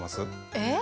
えっ⁉